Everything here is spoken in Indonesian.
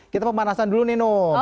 kita pemanasan dulu nih nu